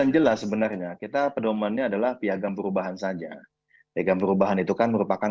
jelas sebenarnya kita pedomannya adalah piagam perubahan saja piagam perubahan itu kan merupakan